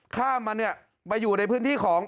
ข้ามมันเนี่ยมาอยู่ในพื้นที่ของ